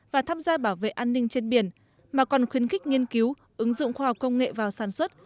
và tham gia bảo vệ an ninh trên biển mà còn khuyến khích nghiên cứu ứng dụng khoa học công nghệ vào sản xuất